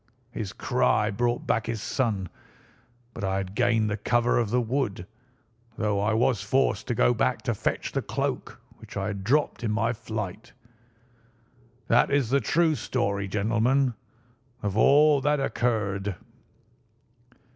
His cry brought back his son; but I had gained the cover of the wood, though I was forced to go back to fetch the cloak which I had dropped in my flight. That is the true story, gentlemen, of all that occurred."